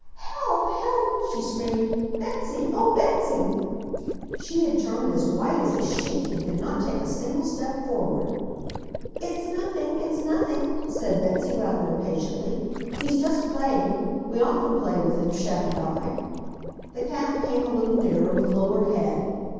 "Help! HELP!" she screamed. "Betsy! Oh, Betsy!" She had turned as white as a sheet and could not take a single step forward. "It's nothing! It's nothing!" said Betsy, rather impatiently. "He's just playing. We often play with him, Shep and I." The calf came a little nearer, with lowered head.